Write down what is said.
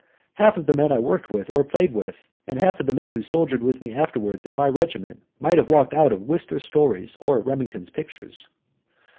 Half of the men I worked with or played with and half of the men who soldiered with me afterwards in my regiment might have walked out of Wister's stories or Remington's pictures.